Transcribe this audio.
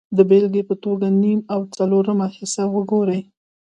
د بېلګې په توګه نیم او څلورمه حصه وګورئ